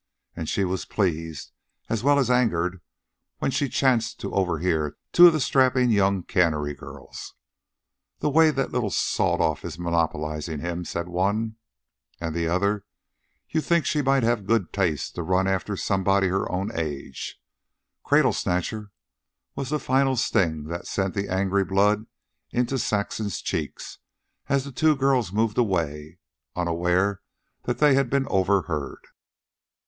And she was pleased, as well as angered, when she chanced to overhear two of the strapping young cannery girls. "The way that little sawed off is monopolizin' him," said one. And the other: "You'd think she might have the good taste to run after somebody of her own age." "Cradle snatcher," was the final sting that sent the angry blood into Saxon's cheeks as the two girls moved away, unaware that they had been overheard.